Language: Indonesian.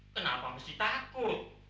kenapa mesti takut